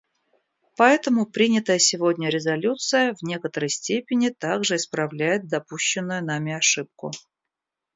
Поэтому принятая сегодня резолюция в некоторой степени также исправляет допущенную нами ошибку.